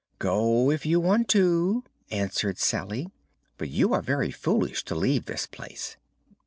"Go, if you want to," answered Salye; "but you are very foolish to leave this place."